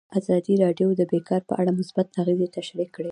ازادي راډیو د بیکاري په اړه مثبت اغېزې تشریح کړي.